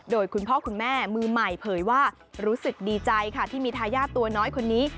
โดยคุณพ่อคุณแม่มือใหม่เผยว่ารู้สึกดีใจค่ะที่มีทายาทตัวน้อยคนนี้